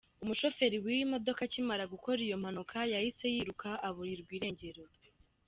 Umushoferi w’iyi modoka akimara gukora iyo mpanuka yahise yiruka aburirwa irengero.